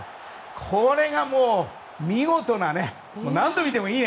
これがもう、見事な何度見てもいいね。